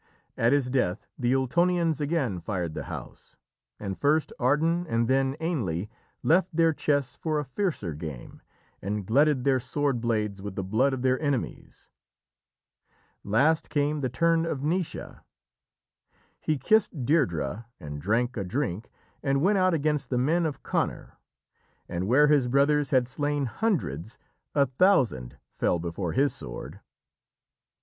At his death the Ultonians again fired the house, and first Ardan and then Ainle left their chess for a fiercer game, and glutted their sword blades with the blood of their enemies. Last came the turn of Naoise. He kissed Deirdrê, and drank a drink, and went out against the men of Conor, and where his brothers had slain hundreds, a thousand fell before his sword.